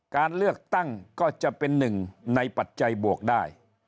การเลือกตั้งก็จะเป็นหนึ่งในปัจจัยบวกได้